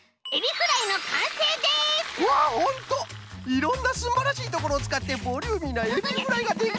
いろんなすんばらしいところをつかってボリューミーなエビフライができちゃった！